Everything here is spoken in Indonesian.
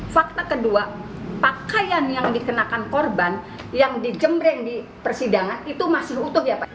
fakta kedua pakaian yang dikenakan korban yang dijembreng di persidangan itu masih utuh ya pak